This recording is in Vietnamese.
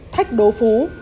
thách đố phú